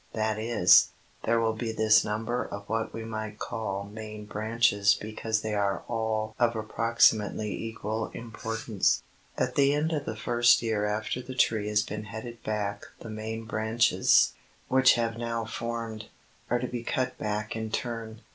That is, there will be this number of what we might call main branches because they are all of approximately equal importance. At the end of the first year after the tree has been headed back the main branches, which have now formed, are to be cut back in turn.